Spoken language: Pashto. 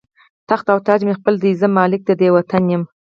تخت او تاج مې خپل دی، زه مالک د دې وطن یمه